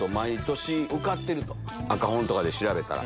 赤本とかで調べたら。